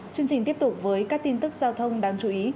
chương trình tiếp tục với các tin tức giao thông đáng chú ý